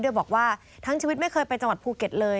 โดยบอกว่าทั้งชีวิตไม่เคยไปจังหวัดภูเก็ตเลย